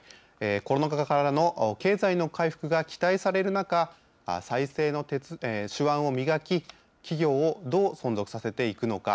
コロナ禍からの経済の回復が期待される中、再生の手腕を磨き、企業をどう存続させていくのか。